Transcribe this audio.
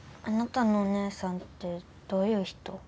あなたのお姉さんってどういう人？